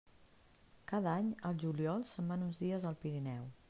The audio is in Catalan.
Cada any, al juliol, se'n van uns dies al Pirineu.